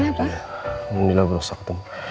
alhamdulillah alhamdulillah berusaha ketemu